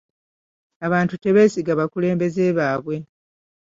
Abantu tebeesiga bakulembeze baabwe.